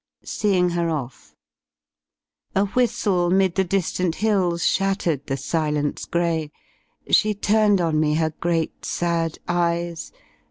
SEEING HER OFF A WHISTLE 'mid the distant hills Shattered the silence grey. She turned on me her great sad eyes.